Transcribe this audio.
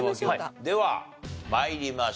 では参りましょう。